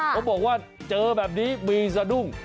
เขาบอกว่าเจอแบบนี้มีสะดุ้ง